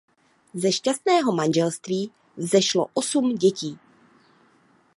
Ze šťastného manželství vzešlo osm dětí.